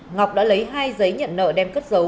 ngọc đã lấy hai giấy nhận nợ đem cất dấu